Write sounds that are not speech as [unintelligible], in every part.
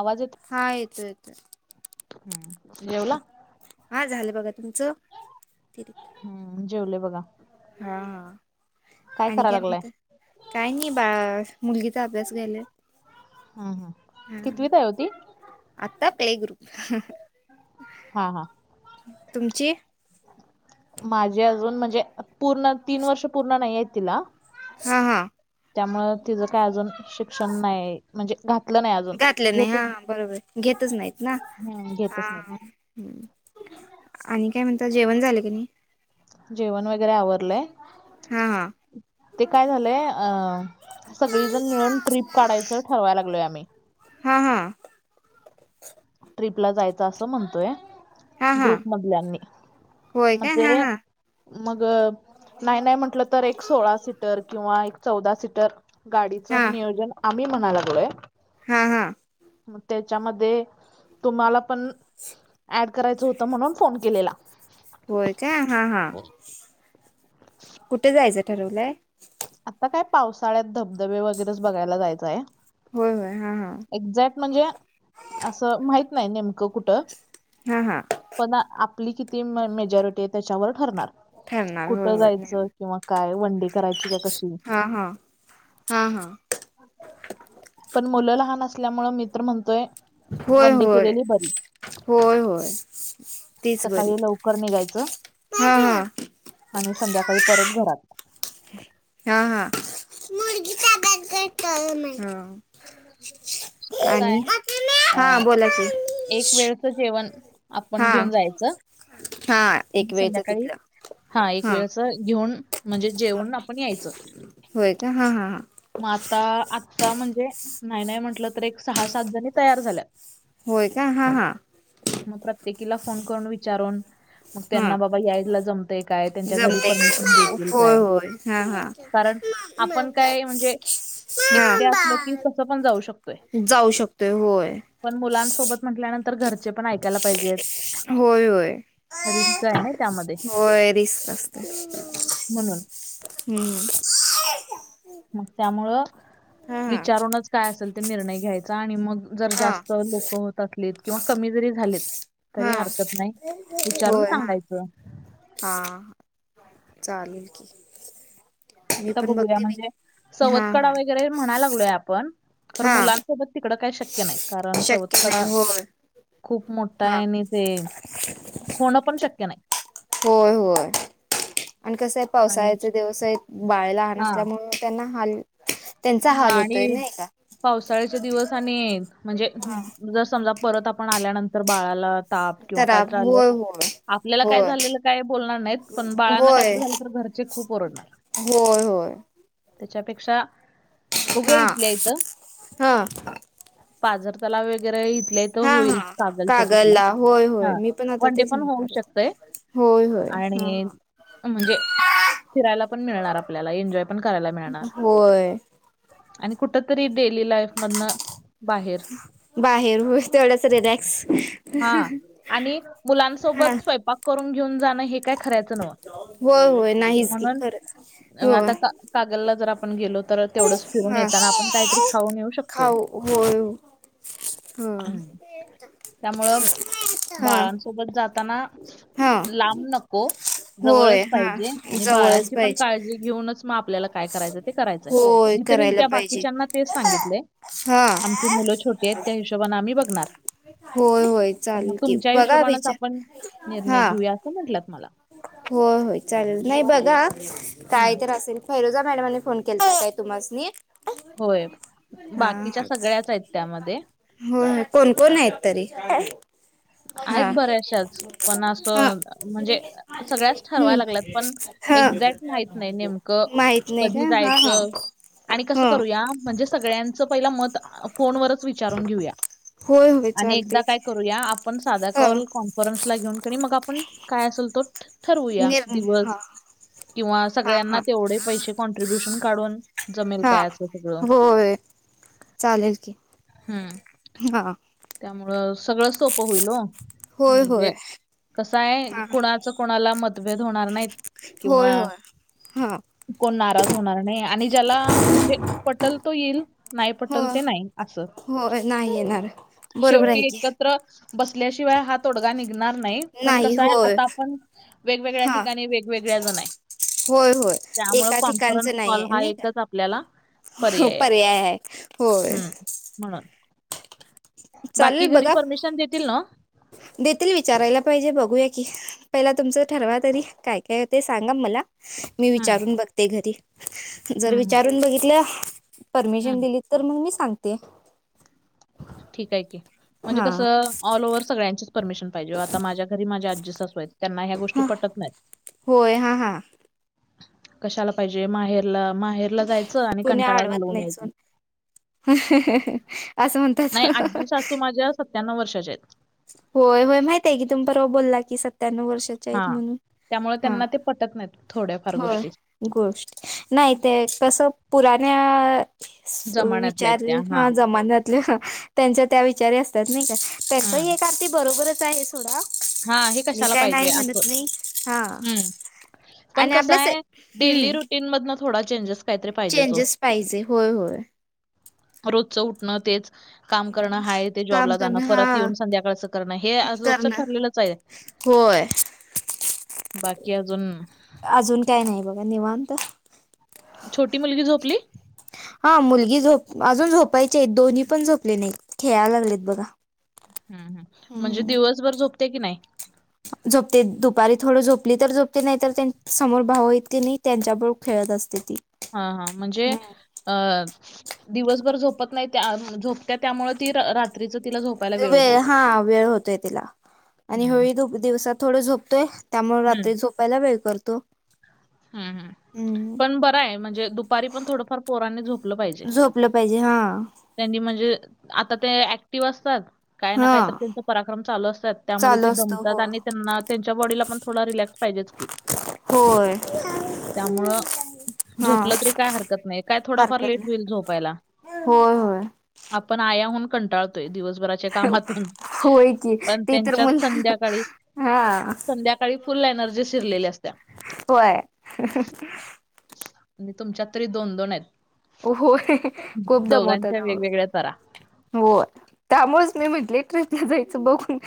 आवाज येत हा येतोय येतोय. हम्म जेवला हा झालं बघा तुमचं हम् जेवलो बघा हा आ आणि कराय काय लागलाय? म्हणता काय नाही बा मुलगी चा अभ्यास घ्यायले हा हा कितवीत आहे ओ ती आता प्ले ग्रुप हा हा तुमची माझी अजून म्हणजे पूर्ण तीन वर्ष पूर्ण नाहीये तिला हा हा. त्यामुळं तिज काय अजून शिक्षण नाय म्हणजे घातलं नाय अजून. घातलं नाही घेतच हा बरोबर घेतच नाहीत ना हम्म हा. घेतच नाहीत. आणि काय म्हणता जेवण झालं की नाई. जेवण वगैरे आवरलंय हा हा ते काय झालंय अ. सगळीजण मिळून ट्रीप काढायचं ठरवाय लागलोय आम्ही. हा हा. ट्रिपला जायच असं म्हणतोय हा हा ग्रुप मधल्यानी होय मग काय हा ते. हा मग नाय नाय म्हटलं तर एक सोळा सीटर किंवा एक चौदा सीटर. हा गाडीचं नियोजन आम्ही म्हणाय लागलोय. हा हा. मग त्याच्यामधे. तुम्हाला पण ऍड करायचं होतं म्हणून फोन केलेला. होय का हा हा कुठे जायचं ठरवलंय. आता काय पावसाळ्यात धबधबे वगैरेच बघायला जायचंय हाय. होय होय हा हा. एक्झॅक्ट म्हणजे असं माहत नाही नेमकं कुठं. हा हा. पण आपली किती मेजॉरिटी आहे त्याच्यावर ठरणार ठरणार होय कुठं होय जायचं नाही किंवा. काय वंडे करायची काय कशी. हा हा हा हा पण मुलं लहान असल्यामुं मित्र म्हणतोय. होय वन डे होय केलेली बरी. होय होय तीच बरी सकाळी लवकर निघायचं हा हा. आणि संध्याकाळी परत घरात. हा हा ह. कस आहे हा अं बोला की एक वेळच जेवण. आपण हा घेऊन जायचं. हा आणि एक वेळच संध्याकाळी तिथलं हा एक वेळच घेऊन. म्हणजे जेवण आपण यायचं. होय का हा हा हा. मग आता आत्ता म्हणजे नाही नाही म्हटलं तर एक सहा सात जणी तयार झाल्यात. होय का हा हा. मग प्रत्येकीला फोन करून विचारून. मग हा त्यांना बाबा यायला जमतय काय त्यांच्या घरी जमते परमिशन देतील काय. होय होय हा हा कारण आपण काय म्हणजे. हा एकटे असल की कसं पण जाऊ शकतोय. जाऊ शकतोय होय पण मुलांसोबत म्हटल्यानंतर घरचे पण ऐकायला पाहिजेत. होय होय. रिस्क आहे ना त्यामध्ये होय रिसक असतंय. म्हणून हम. मग त्यामुळं. विचारूनच. काय असेल ते निर्णय घ्यायचा आणि मग जर हा जास्त लोक होत असलेत किंवा कमी जरी झालेत. तरी हा हरकत नाही विचारून होय हा सांगायचं. हा चालेूल की. मी आता पण बघूया बघते म्हणजे मी हा सवत कडा हा वगैरे म्हणायला लागलोय आपण खर हा मुलांसोबत. तिकड काही शक्य नाही कारण शक्य सवकड नाही होय खूप मोठा हा आहे आणि. ते होणं पण शक्य नाही. होय होय आणि कसं आहे आणि पावसाळ्याच दिवस आहेत. बाळ लहान असल्यामुळे त्यांना हाल. त्यांचा ह हाल आणि होतोय नाही का पावसाळ्याच्या दिवस आणि म्हणजे जर समजा परत आपण आल्यानंतर बाळाला ताप किंवा खराब कायतर आलं होय होय आपल्याला काय होय झालेलं काय बोलणार नाहीत पण बाळांना होय काहीतरी झालं तर घरचे खूप ओरडतात. होय होय. त्याच्यापेक्षा बघूया हा इथल्या इथ हा पाजरतलाव वगैरे इथल्या इथ हा हा कागरला होय, होय हा मी पण आता वन डे तेच पण होऊ म्हणणार होती. शकतंय होय होय हा आणि ह. म्हणजे फिरायला पण मिळणार आपल्याला एन्जॉय पण करायला मिळणार. होय.. आणि कुठ तरी डेली लाईफमधनं बाहेर बाहेर हो तेवढच रिलॅक्स हा आणि हा मुलांसोबत स्वयंपाक करून घेऊन जाणं हे काय करायचं नव्ह. होय होय नाहीच की म्हणून खरंच होय आता कागलला जर आपण गेलो तर तेवढच फिरून हा येताना आपण काहीतरी खाऊन येऊ शकतोय. खाऊ होय ह हम्म त्यामुळं हा बाळांसोबत जाताना. हा लांब नको होय जवळच हा पाहिजे आणि जवळच बाळांची पण पाहिजे काळजी घेऊनच म आपल्याला काय करायचं ते करायचंय. होय मी तरी करायला त्या पाहिजे बाकीच्यांना तेच सांगितलंय. हा आमची मुलं छोटी आहेत त्या हिशोबाने आम्ही बघणार होय होय तर मग चालेल की तुमच्या बघा हिशोबानेच विचार आपण निर्णय हा घेऊया असं म्हटलत मला. होय, होय चालेल नाही बघा काय हम्म तर असेल फैरोजा मॅडमनी फोन केलता काय तुम्हासनी? होय हा बाकीच्या हा सगळ्याच आहेत त्यामध्ये. होय कोण, कोण आहेत तरी? आहेत हा बऱ्याचशाच पण हा. असं म्हणजे सगळ्याच ठरवायला लागल्यात हम्म पण हा एक्झॅक्ट माहित नाही नेमकं माहित नाही कधी का हा हा. जायचं आणि कसं करूया म्हणजे सगळ्यांचं पहिलं मत फोनवरच विचारून घेऊया. हा होय होय आणि एकदा चालतय काय की करूया आप आपण साधा ह कॉल कॉन्फरन्स ला घेऊन क मग आपण काय असेलतो ठरवूया निर दिवस हा किंवा हा सगळ्यांना हा तेवढे पैसे कॉन्ट्रिब्युशन काढून जमेल हा काय असं सगळं? होय चालेल की हम्म हा. त्यामुळं सगळं सोपं होईल हो होय होय म्हणजे कसं आहे हा कुणाचं कोणाला मतभेद होणार नाहीत. किंवा होय, होय. हा कोण नाराज होणार नाही आणि ज्याला म्हणजे पटल तो येईल. नाही पटल ते नाही असं. हो नाही येणार. बरोबर शेवटी आहे की एकत्र बसल्याशिवाय हा तोडगा निघणार नाही पण कसाय आता आपण वेगवेगळ्या हा ठिकाणी वेगवेगळ्या जण आहेत. होय होय त्यामुळे एका कॉन्फरन्स ठिकाणचं नाही कॉल आहे हा नाही एकच आपल्याला पर्याय आहे हम्म म्हणून. बाकी चालेल घरी बघा परमिशन देतील ना? देतील विचारायला पाहिजे बघूया की पहिला तुमचं ठरवा तरी काय काय ते सांगा मला? मी हम्म विचारून बघते घरी जर हम्म हम्म विचारून बघितल्या परमिशन हम्म. दिली तर मग मी सांगते. ठीक आहे की म्हणजे हा कसं ऑल ओव्हर सगळ्यांचीच परमिशन पाहिजे आता माझ्या घरी माझ्या आजे सासू आहेत. त्यांना ह्या गोष्टी हा पटत नाहीत. होय हा हा. कशाला पाहिजे माहेरला माहेरला जायचं आणि कुणी कंटाळा अडवत घालवून नाही यायचं सोड असं म्हणतात सत्यानण्णव, वर्षाच्या आहेत होय होय माहितीय की तुम्ही, परवा बोलला की सत्याण्णव वर्षात हा त्यामुळे त्यांना ते पटत नाहीत थोड्याफार होय गोष्टी गोष्ट नाही ते कसं पुराण्या जमान्यातल्या आहेत विचार त्या. हा हां. जमान्यात त्यां त्यांच्या, विचारी असतात नाही का त्यांचं हे हं. अगदी, बरोबरच आहे थोडा हां, हे मी कशाला काय पाहिजे नाही असं. म्हणत नाही हा हं. पण आणि कसं आपल्यास आहे डेली हम्म रुटीन मधनं थोडा चेंजेस काहीतरी पाहिजे तो चेंजेस पाहिजे होय होय रोजचं उठणं तेच काम करणं हा ते काम जॉबला करण जाणं परत हा येऊन संध्याकाळचं करणं हे रोजच करणं ठरलेलं आहेत,, होय बाकी अजून अजून काय नाही बघा निवांत छोटी मुलगी झोपली हा मुलगी झोप अजून झोपायचे आहेत दोन्ही पण झोपले नाही खेळायला लागलेत बघा हम् हम् म्हणजे हम्म दिवसभर झोपते कि नाही झोपते दुपारी थोडं झोपली तर झोपते नाही तर त्यां समोर भाव तेनी की नाही त्यांच्याबबर खेळत असते ती हा हा म्हणजे अ दिवसभर झोपत नाही त्या झोपत्या त्यामुळे ती रात्रीचं तिला झोपायला वेळ होतोय का? हा वेळ होतोय तिला आणि हं, होळी दिवसात थोड झोपतोय त्यामुळे हं. रात्री झोपायला वेळ करतो हम् हम हम्म पण बर आहे म्हणजे दुपारी पण थोडंफार पोरांनी झोपलं पाहिजे झोपलं पाहिजे हा त्यांनी म्हणजे आता ते ऍक्टिव्ह असतात काय ना काय तर हा. त्यांचा पराक्रम चालू असतात त्यामध्ये चालू ते असतो दमतात हो आणि त्यांना त्यांच्या बॉडीला पण थोडा रिलॅक्स पाहिजेत की होय त्यामुळं हा झोपलं तरी काय हरकत नाही काय थोडाफार हरकत लेट नाही होईल झोपायला होय होय आपण आयाहून कंटाळतोय दिवसभरा होय की प ते तर त्यांच्यात मुलं हा संध्याकाळीध्या काळी फुल एनर्जी शिरलेली असत्या कय आहे आणि तुमच्यात तरी दोन दोन आहेत होय खूप दमवतोय दोघांच्या हा वेगवेगळ्या तरा. त्या होय त्यामुळेच मी म्हटले ट्रिपपला जायचं बघून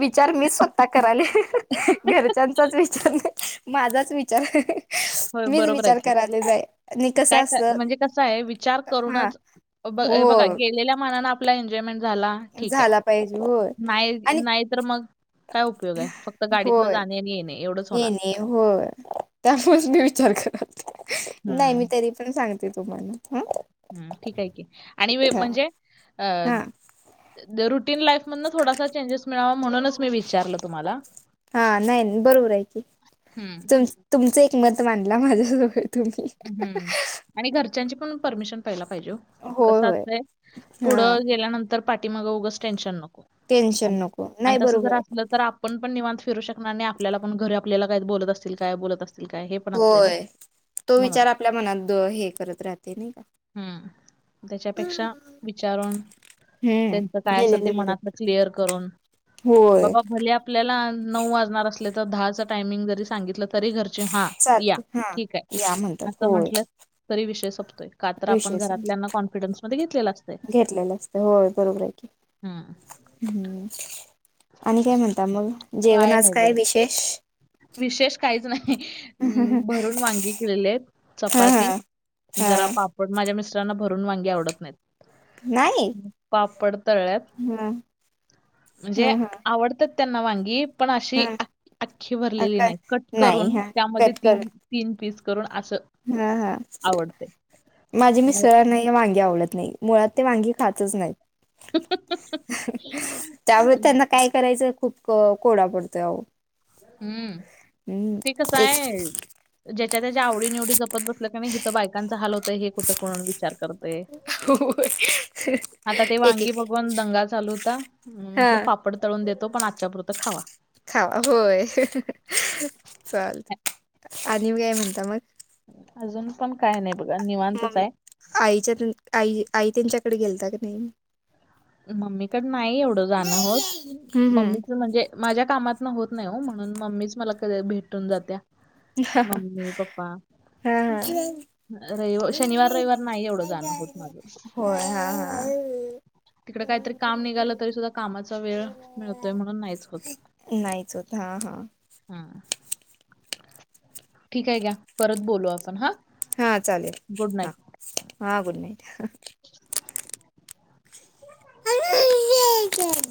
विचार मी स्वतः करायले नाही घरच्यांचाच विचार नाही माझाच विचार आहे होय, मीच बरोबर आहे विचार की. करायले जा आहे आणि कसं काय क- असत म्हणजे कसं आहे विचार करूनच हो बघा गेलेल्या मनान आपला एन्जॉयमेंट झाला ठीक आहे झाला पाहिजे होय नाही आणि नाही तर मग काय उपयोग आहे फक्त गाडीतन जाणे आणि येणे एवढंच होणार हो त्यामुळेच मी विचार करत नाही हम्म मी तरी पण सांगते तुम्हाला ह हम् ठीक आहे की आणि म्हणजे अ हा रुटीन लाईफ मधन थोडासा चेंजेस मिळावा म्हणूनच मी विचारलं तुम्हाला हा नाही बरोबर आहे क हम्म तुम तुमचं एक मत मांडला माझ्याजवळ तुम्ही हम् आणि घरच्यांची पण परमिशन पहायला पाहिजे होय कसं होय असतय, हा पुढं गेल्यानंतर पाठी मग उगच टेन्शन नको अ टेन्शन नको आणि नाही तस बरोबर जर आहे अस तर आपण पण निवांत फिरू शकणार नाही आपल्याला पण घरी आपल्याला काय बोलत असतील काय बोलत असतील काय हे पण असते ना होय तो म्हणून विचार आपल्या मनात हे करत राहते नाही का हम्म त्याच्यापेक्षा विचारून हम्म त्यांच काय असेल ते गेलेले बरे मनातलं क्लिअर करून. बघ होय भल्या आपल्याला नऊ वाजणार असले तर दहाच टायमिंग जरी सांगितलं तरी घर हा या चालते हा ठीक आहे या म्हणतात असं होय म्हंटलं तरी विषय सोपतोय का तर आपण विषय समज घरातल्यांना कॉनफिडन्स मध्ये घेतलेला अस घेतलेलं असत होय बरोबर आहे क हम्म हम्म आणि काय म्हणत मग जेवण आज नाही काय बघा विशेष विशेष काहीच नाही हा भरून वांगी केलेले आहेत हा चपाती हा जरा पापड माझ्या मिस्टरांना भरून वांगी आवडत नाही नाहीत पापड तळ्यात हा म्हणजे हा हा आवडत त्यांना वांगी पण अशी हा अखी भरलेली काय नाही कट नाही करून हा त्यामध्ये कट कर तीन तीन पीस करून असं हा हा आवडते. माझे मला- मिसरांना वांगी आवडत नाही मुळात ते वांगी खातच नाहीत त्यामुळे त्यांना काय करायचं खूप कोंडा पडतोय अहो हम्म ते कस आहे ज्याच्या त्याच्या आवडी निवडीचा जपत ब का नाही हि तर बायकांचा हाल होतय हे कुठं कोण विचार करतंय हो आता ते वांगी बगवान दंगा चालू होता हा म्हंटल पाप पापड तळून देतो पण आजच्या पुरं खावा खावा होय चाल आणि मी काय म्हणता मग अजून पण काय नाही बघा निवांतच मग आहे आईच्या आई आई त्यांच्याकडे गेलता काी नाही मम्मीकड नाही एवढं जाणं होत हम्म हम्म मम्मीच म्हणजे माझ्या कामात ना होत नाही हो म्हणून मम्मीच मला कध भेटून जाते मम्मी पप्पा हा हा रवि शनिवार रविवार नाही एवढं जाणं होत माझ होय [unintelligible] तिकडे काहीतरी काम निघालं तरी सुद्धा कामाचा वेळ मिळतोय म्हणून नाहीच होत हा हा हा ठीक आहे घ्या परत बोलो आपण हा हा चालेल हा हा गुड नाईट नाईट